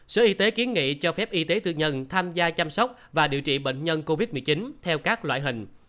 sở y tế kiến nghị cho phép y tế tư nhân tham gia chăm sóc và điều trị bệnh nhân covid một mươi chín theo các loại hình